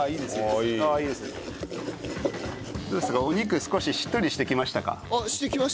お肉少ししっとりしてきましたか？